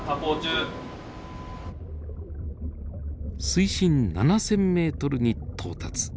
水深７，０００ｍに到達。